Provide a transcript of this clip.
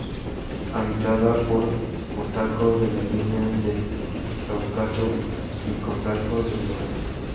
Habitada por Cosacos de la Línea del Cáucaso y Cosacos del Don.